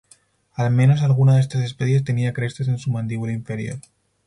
Al menos alguna de estas especies tenía crestas en su mandíbula inferior.